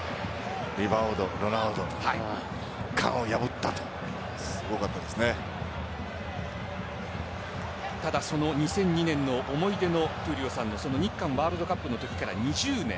リバウド、ロナウド殻を破ったとただ、その２００２年の思い出の闘莉王さんの日韓ワールドカップのときから２０年。